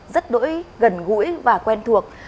rất đối gần gũi và quen thuộc